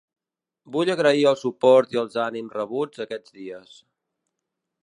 Vull agrair el suport i els ànims rebuts aquests dies.